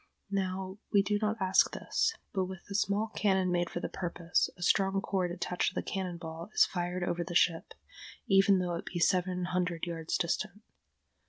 Now we do not ask this; but with a small cannon made for the purpose, a strong cord attached to a cannon ball is fired over the ship, even though it be several hundred yards distant.